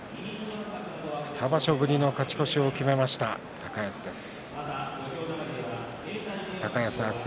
２場所ぶりの勝ち越しを決めた高安です。